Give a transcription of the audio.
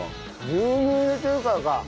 牛乳入れてるからか。